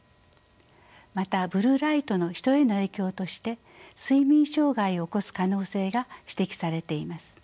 またブルーライトの人への影響として睡眠障害を起こす可能性が指摘されています。